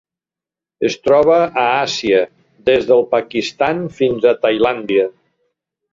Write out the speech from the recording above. Es troba a Àsia: des del Pakistan fins a Tailàndia.